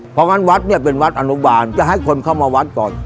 เพราะงั้นวัดเนี่ยเป็นวัดอนุบาลจะให้คนเข้ามาวัดก่อน